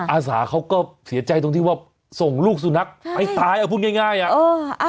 อาสาเขาก็เสียใจตรงที่ว่าส่งลูกสุนัขให้ตายเอาพูดง่ายอ่ะเออ